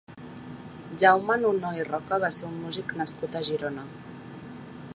Jaume Nunó i Roca va ser un músic nascut a Girona.